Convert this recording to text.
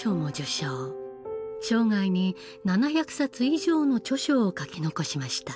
生涯に７００冊以上の著書を書き残しました。